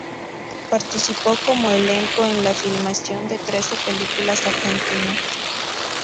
Participó como elenco en la filmación de trece películas argentinas.